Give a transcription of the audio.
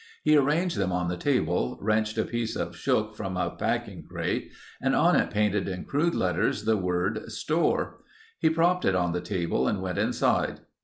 He arranged them on the table, wrenched a piece of shook from a packing crate and on it painted in crude letters the word, "Store." He propped it on the table and went inside.